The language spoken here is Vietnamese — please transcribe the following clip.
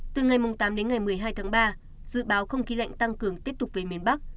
từ ngày tám đến ngày một mươi hai tháng ba dự báo không khí lạnh tăng cường tiếp tục về miền bắc